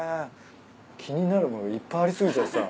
気になる物いっぱいあり過ぎちゃってさ。